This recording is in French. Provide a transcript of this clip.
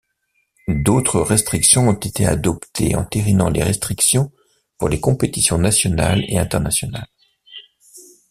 D'autres restrictions ont été adoptées entérinant les restrictions pour les compétitions nationales et internationales.